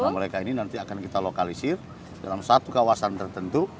mereka ini nanti akan kita lokalisir dalam satu kawasan tertentu